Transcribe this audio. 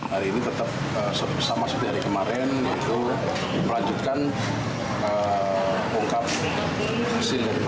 hari ini tetap sama seperti hari kemarin yaitu melanjutkan mengungkap hasil dari tkp